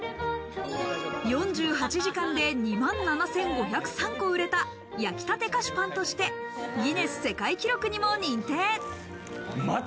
４８時間で２万７５０３個売れた焼きたて菓子パンとしてギネス世界記録にも認定。